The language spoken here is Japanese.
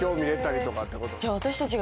じゃ私たちが。